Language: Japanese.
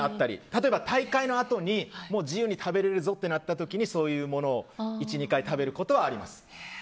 例えば大会のあとに自由に食べれるぞって時にそういうものを１２回食べることはあります。